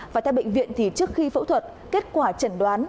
và tại bệnh viện thì trước khi phẫu thuật kết quả chẩn đoán